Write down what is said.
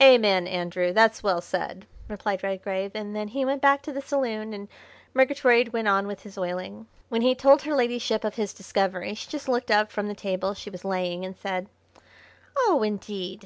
"Amen, Andrew, that's well said," replied Redgrave, and then he went back to the saloon and Murgatroyd went on with his oiling. When he told her ladyship of his discovery she just looked up from the table she was laying and said: "Oh, indeed!